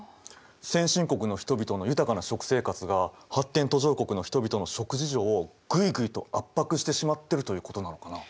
先進国の人々の豊かな食生活が発展途上国の人々の食事情をグイグイと圧迫してしまってるということなのかな。